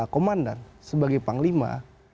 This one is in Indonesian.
komandan sebagai panglima